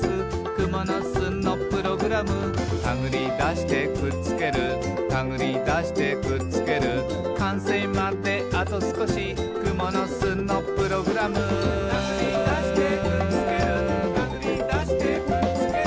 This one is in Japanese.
「くものすのプログラム」「たぐりだしてくっつけるたぐりだしてくっつける」「かんせいまであとすこしくものすのプログラム」「たぐりだしてくっつけるたぐりだしてくっつける」